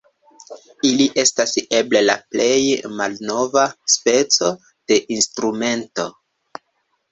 Ili estas eble la plej malnova speco de instrumento.